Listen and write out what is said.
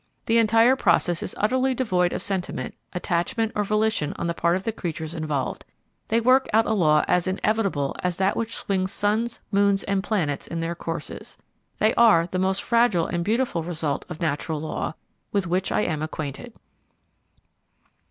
The entire process is utterly devoid of sentiment, attachment or volition on the part of the creatures involved. They work out a law as inevitable as that which swings suns, moons, and planets in their courses. They are the most fragile and beautiful result of natural law with which I am acquainted.